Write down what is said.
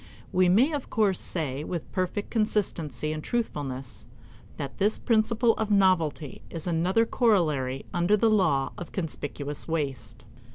We may of course say, with perfect consistency and truthfulness, that this principle of novelty is another corollary under the law of conspicuous waste.